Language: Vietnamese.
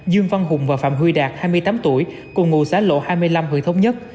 dương văn hùng và phạm huy đạt hai mươi tám tuổi cùng ngụ xã lộ hai mươi năm huyện thống nhất